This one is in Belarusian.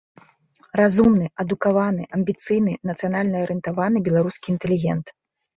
Разумны, адукаваны, амбіцыйны, нацыянальна-арыентаваны беларускі інтэлігент.